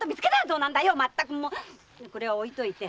それはおいといて。